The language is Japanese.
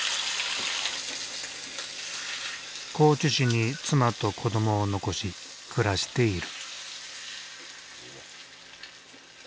高知市に妻と子どもを残し暮らしている。